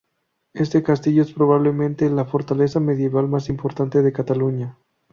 Este castillo es probablemente la fortaleza medieval más importante de Cataluña.